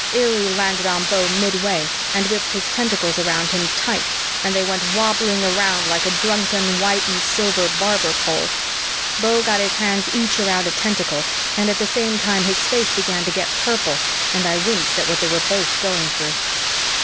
Illy landed on Beau midway and whipped his tentacles around him tight and they went wobbling around like a drunken white and silver barber pole. Beau got his hands each around a tentacle, and at the same time his face began to get purple, and I winced at what they were both going through.